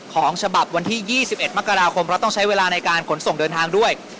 ของฉบับวันที่๒๑มกราคมเพราะต้องใช้เวลาในการขนส่งเดินทางด้วย